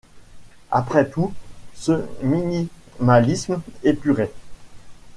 après tout ce minimalisme épuré.